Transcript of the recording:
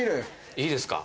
いいですか。